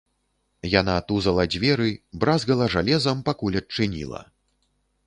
Яна тузала дзверы, бразгала жалезам, пакуль адчыніла.